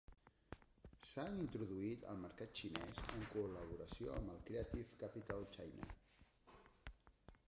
S'han introduït al mercat xinès en col·laboració amb Creative Capital China.